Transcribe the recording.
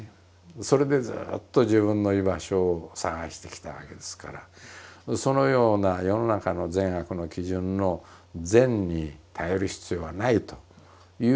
それでずっと自分の居場所を探してきたわけですからそのような世の中の善悪の基準の善に頼る必要はないということがね